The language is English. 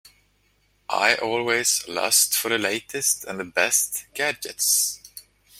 I always lust for the latest and best gadgets.